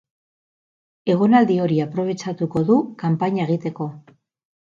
Egonaldi hori aprobetxatuko du kanpaina egiteko.